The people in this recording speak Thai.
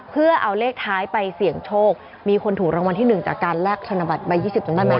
เพื่อเอาเลขท้ายไปเสี่ยงโชคมีคนถูกรางวัลที่๑จากการแลกธนบัตรใบ๒๐จำได้ไหม